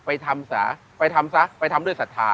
ไปทำซะไปทำซะไปทำด้วยศรัทธา